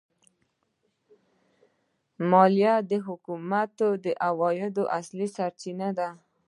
مالیه د حکومت د عوایدو اصلي سرچینه ده.